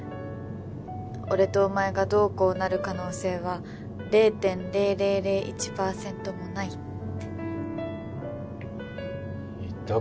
俺とお前がどうこうなる可能性は０．０００１パーセントもないって言ったか？